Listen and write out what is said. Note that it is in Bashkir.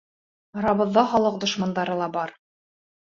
Арабыҙҙа халыҡ дошмандары ла бар.